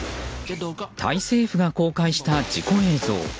タイ政府が公開した事故映像。